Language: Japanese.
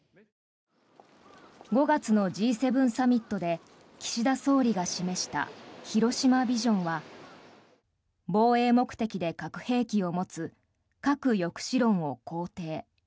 ５月のＧ７サミットで岸田総理が示した広島ビジョンは防衛目的で核兵器を持つ核抑止論を肯定。